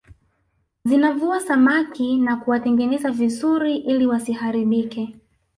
Zinavua samaki na kuwatengeneza vizuri ili wasiharibike